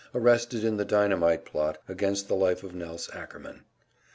s arrested in the dynamite plot against the life of Nelse Ackerman.